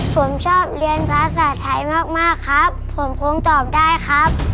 ผมชอบเรียนภาษาไทยมากมากครับผมคงตอบได้ครับ